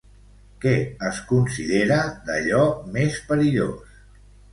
Què es considera d'allò més perillós?